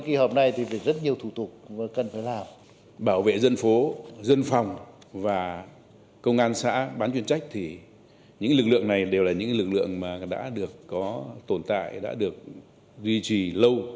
cơ quan soạn thảo luận đã được có tồn tại đã được duy trì lâu